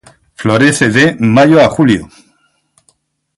Florece de, Mayo a Julio.